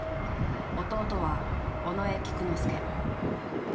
弟は尾上菊之助。